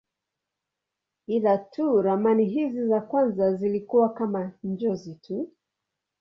Ila tu ramani hizi za kwanza zilikuwa kama njozi tu.